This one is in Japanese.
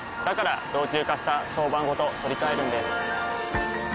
から老朽化した床版ごと取り替えるんです。